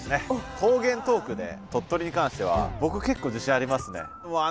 方言トークで鳥取に関しては僕結構自信ありますね。